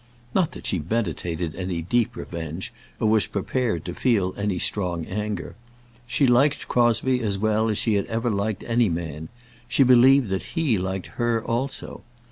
Not that she meditated any deep revenge, or was prepared to feel any strong anger. She liked Crosbie as well as she had ever liked any man. She believed that he liked her also.